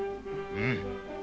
うん。